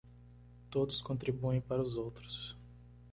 Todos contribuem para os outros